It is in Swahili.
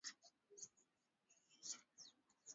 ndiye aliyemwamuru nahodha wa titanic kuongeza kasi